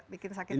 bikin sakit kepala